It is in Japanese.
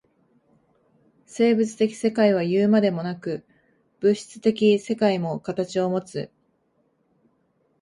生物的世界はいうまでもなく、物質的世界も形をもつ。